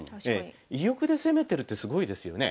居玉で攻めてるってすごいですよね。